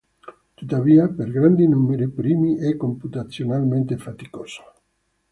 Tuttavia, per grandi numeri primi è computazionalmente faticoso.